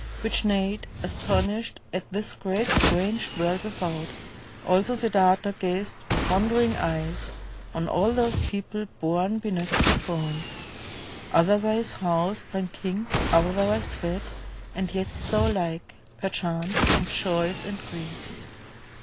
which neighed. Astonished at this great strange world v^ithout: Also Siddartha gazed ^Ith wondering eyes On all those people bom beneath the throne, 34 STORIES OF BUDDHA Otherwise housed than kings, otherwise fed, And yet so like — perchance — in joys and griefs.